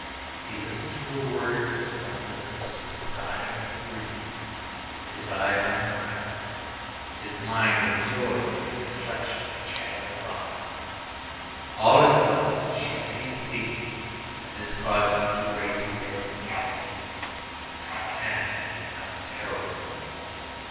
He listened to her words as one listens to the sighing of the breeze, with his eyes on the ground, his mind absorbed in reflection which had no bottom. All at once she ceased speaking, and this caused him to raise his head mechanically. Fantine had become terrible.